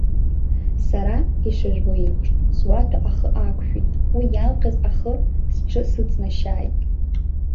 Сара, ишыжәбо еиԥш, суаҭәа ахы ақәшәеит, уи иалҟьаз ахы сҽы сыҵнашьааит.